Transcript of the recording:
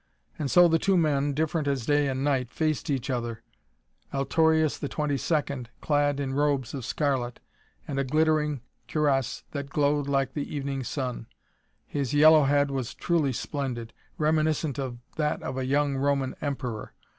And so the two men, different as day and night, faced each other. Altorius XXII clad in robes of scarlet, and a glittering cuirasse that glowed like the evening sun. His yellow head was truly splendid, reminiscent of that of a young Roman Emperor.